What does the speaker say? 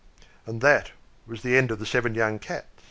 And this was the end of the seven young Cats.